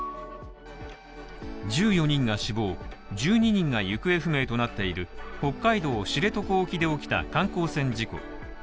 １４人が死亡、１２人が行方不明となっている北海道知床沖で起きた観光船事故。